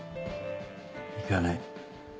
行かない。